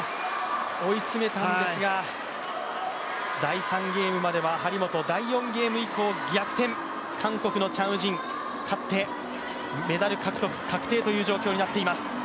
追い詰めたんですが、第３ゲームまでは張本第４ゲーム以降逆転、韓国のチャン・ウジン、勝ってメダル獲得確定という状況になっています。